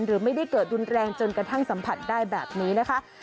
หรือไม่ได้เกิดรุนแรงจนกระทั่งสัมผัสได้แบบนี้นะคะ